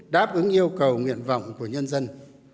đáp ứng yêu cầu nguyện vọng của nhân dân